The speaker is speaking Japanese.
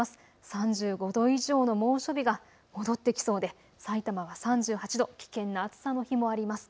３５度以上の猛暑日が戻ってきそうで、さいたまは３８度、危険な暑さの日もあります。